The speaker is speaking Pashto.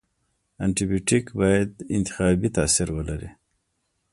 انټي بیوټیک باید انتخابي تاثیر ولري.